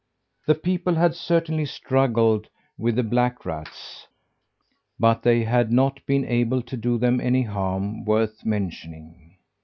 The people had certainly struggled with the black rats, but they had not been able to do them any harm worth mentioning.